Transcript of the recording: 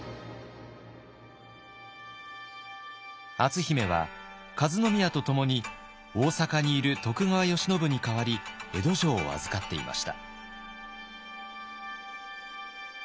篤姫は和宮とともに大坂にいる徳川慶喜に代わり江戸城を預かっていました。